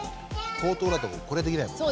口頭だとこれできないもんね。